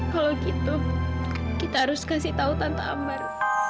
kalau gitu kita harus kasih tahu tanpa amar